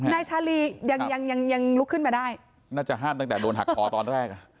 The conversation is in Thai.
นายชาลียังยังลุกขึ้นมาได้น่าจะห้ามตั้งแต่โดนหักคอตอนแรกอ่ะ